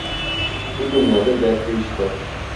Bugünlerde dertli işte!